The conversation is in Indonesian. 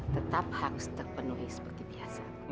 tetap harus terpenuhi seperti biasa